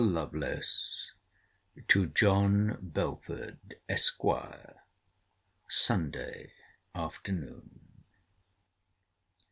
LOVELACE, TO JOHN BELFORD, ESQ. SUNDAY AFTERNOON.